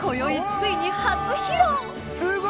ついに初披露